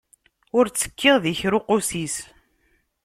Ur ttekkiɣ di kra uqusis.